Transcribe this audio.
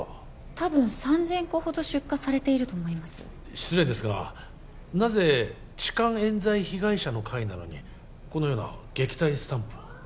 多分３０００個ほど出荷されていると思います失礼ですがなぜ痴漢冤罪被害者の会なのにこのような撃退スタンプを？